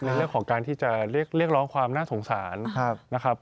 ในเรื่องของการที่จะเรียกร้องความน่าสงสารนะครับ